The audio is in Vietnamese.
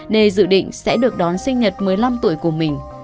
nên dự định sẽ được đón sinh nhật một mươi năm tuổi của mình